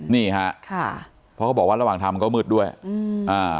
นี่ฮะค่ะเพราะเขาบอกว่าระหว่างทางมันก็มืดด้วยอืมอ่า